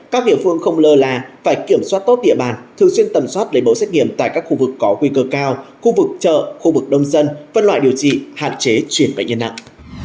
các địa phương không lơ là phải kiểm soát tốt địa bàn thường xuyên tầm soát lấy mẫu xét nghiệm tại các khu vực có nguy cơ cao khu vực chợ khu vực đông dân phân loại điều trị hạn chế chuyển bệnh nhân nặng